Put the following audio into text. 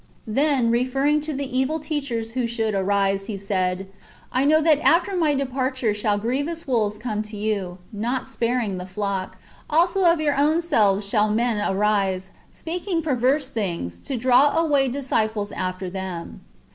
^ Then, referring to the evil teachers who should arise, he said :" I know that after my departure shall grievous wolves come to you, not sparing the flock. Also of your own selves shall men arise, speaking perverse things, to draw away disciples after them."